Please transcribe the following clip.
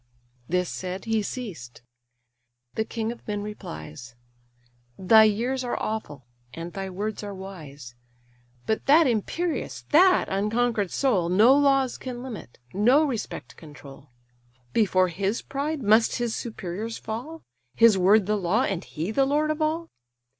This said, he ceased. The king of men replies: "Thy years are awful, and thy words are wise. But that imperious, that unconquer'd soul, No laws can limit, no respect control. Before his pride must his superiors fall; His word the law, and he the lord of all?